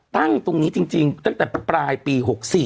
ตั้งตรงนี้จริงตั้งแต่ปลายปี๖๔